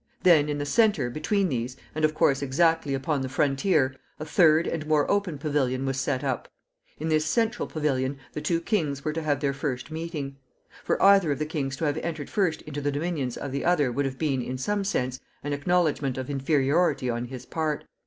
Then, in the centre, between these, and, of course, exactly upon the frontier, a third and more open pavilion was set up. In this central pavilion the two kings were to have their first meeting. For either of the kings to have entered first into the dominions of the other would have been, in some sense, an acknowledgment of inferiority on his part.